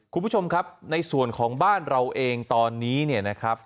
คุณผู้ชมครับในส่วนของบ้านเราเองตอนนี้เนี่ยนะครับ